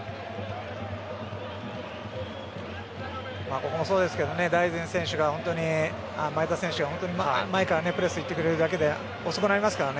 ここもそうですが大然選手が前からプレス行ってくれるだけで遅くなりますからね。